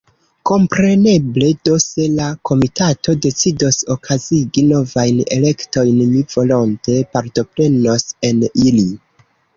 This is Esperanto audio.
Kompreneble do, se la Komitato decidos okazigi novajn elektojn, mi volonte partoprenos en ili.